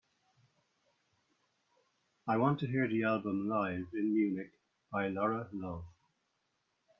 I want to hear the album Live In Munich by Laura Love.